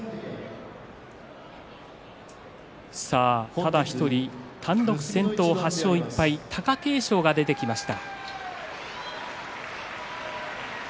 ただ１人単独先頭先頭を行く貴景勝が出てきました。